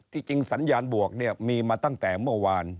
จริงสัญญาณบวกเนี่ยมีมาตั้งแต่เมื่อวาน